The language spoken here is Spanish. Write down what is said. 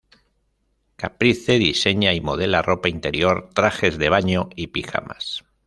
Caprice diseña y modela ropa interior, trajes de baño y pijamas.